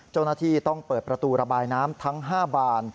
เจ้าหน้าที่ต้องเปิดประตูระบายน้ำทั้ง๕บาน